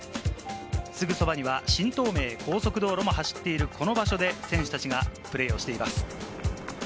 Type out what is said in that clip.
すぐそばには新東名高速道路も走っているこの場所で選手たちがプレーをしています。